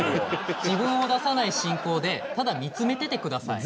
自分を出さない進行でただ見つめててください。